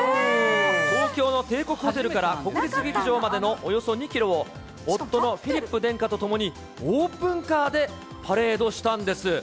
東京の帝国ホテルから国立劇場までのおよそ２キロを、夫のフィリップ殿下と共にオープンカーでパレードしたんです。